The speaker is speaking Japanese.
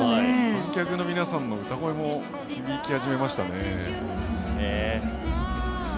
観客の皆さんの歌声が響き始めました。